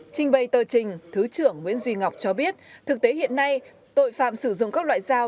trình bày tờ trình thứ trưởng nguyễn duy ngọc cho biết thực tế hiện nay tội phạm sử dụng các loại dao